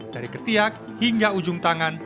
dari ketiak hingga ujung tangan